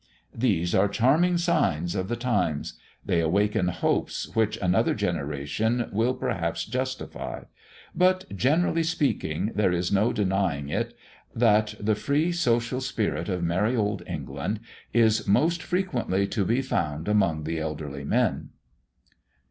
These are charming signs of the times; they awaken hopes which another generation will perhaps justify. But, generally speaking, there is no denying it, that the free social spirit of merry Old England is most frequently to be found among the elderly men."